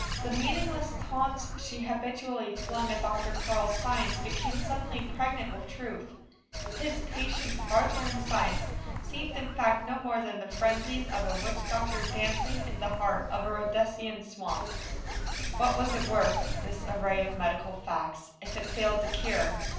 The meaningless taunts she habitually flung at Dr. Carl's science became suddenly pregnant with truth; his patient, hard learned science seemed in fact no more than the frenzies of a witch doctor dancing in the heart of a Rhodesian swamp. What was it worth this array of medical facts if it failed to cure?